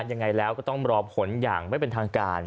ยังไงแล้วก็ต้องรอผลอย่างไม่เป็นทางการ